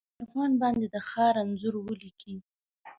په دسترخوان باندې د ښار انځور ولیکې